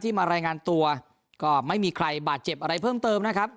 มารายงานตัวก็ไม่มีใครบาดเจ็บอะไรเพิ่มเติมนะครับ